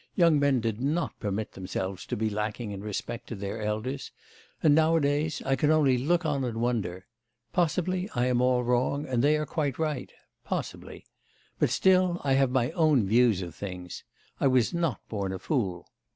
Young men did not permit themselves to be lacking in respect to their elders. And nowadays, I can only look on and wonder. Possibly, I am all wrong, and they are quite right; possibly. But still I have my own views of things; I was not born a fool.